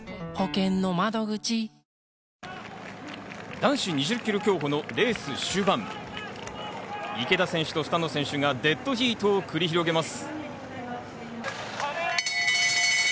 男子２０ｋｍ競歩のレース終盤、池田選手とスタノ選手がデッドヒートを繰り広げます。